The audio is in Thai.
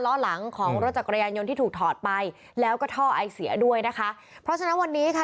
ล้อหลังของรถจักรยานยนต์ที่ถูกถอดไปแล้วก็ท่อไอเสียด้วยนะคะเพราะฉะนั้นวันนี้ค่ะ